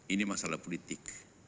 ini masalah politik